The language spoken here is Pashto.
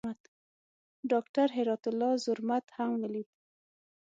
ډاکټر هرات الله زرمت هم ولید.